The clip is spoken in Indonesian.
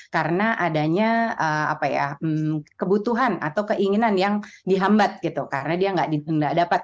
karena adanya kebutuhan atau keinginan yang dihambat gitu karena dia nggak dapat